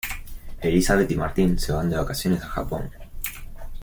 Elisabet y Martín se van de vacaciones a Japón.